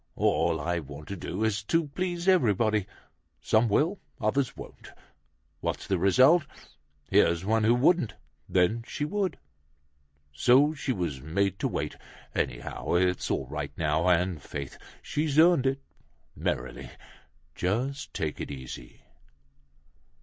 All I want to do is to please everybody. Some will, others won't. What's the result? Here's one who wouldn't, then she would. So she was made to wait. Anyhow, it's all right now, and faith! She's earned it! Merrily, just take it easy."